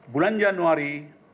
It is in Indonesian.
bulan januari dua ribu sebelas